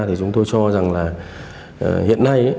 thì chúng tôi cho rằng là hiện nay